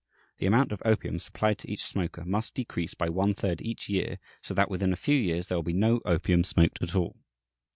The amount of opium supplied to each smoker must decrease by one third each year, so that within a few years there will be no opium smoked at all."